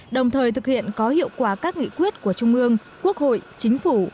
đồng thời thực hiện có hiệu quả các nghị quyết của trung ương quốc hội chính phủ